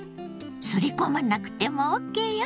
すりこまなくてもＯＫよ。